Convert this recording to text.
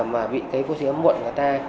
mà bị cái vô sinh ấm muộn người ta